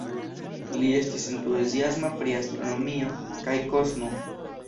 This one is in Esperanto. Li estis entuziasma pri astronomio kaj kosmo.